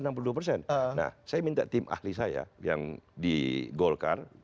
nah saya minta tim ahli saya yang di golkar